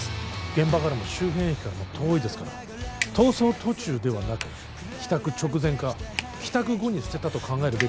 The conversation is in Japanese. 現場からも周辺駅からも遠いですから逃走途中ではなく帰宅直前か帰宅後に捨てたと考えるべきでしょうね